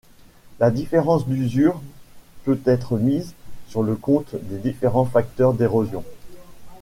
La différence d'usure peut être mise sur le compte de différents facteurs d'érosion.